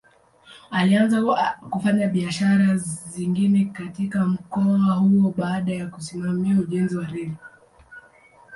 Alianza kufanya biashara zingine katika mkoa huo baada ya kusimamia ujenzi wa reli.